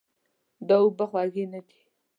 دا اوبه خوږې نه دي.